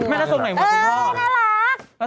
น่ารัก